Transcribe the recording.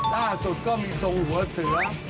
ภาพสูตรก็มีทรงหัวเสื้อ